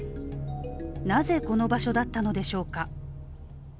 なぜ、この場所だったのでしょうか。